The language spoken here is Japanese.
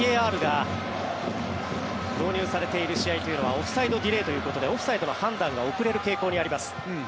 どうしてもＶＡＲが導入されている試合はオフサイドディレイということでオフサイドの判断が遅れることがあります。